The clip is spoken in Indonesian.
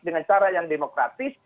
dengan cara yang demokratis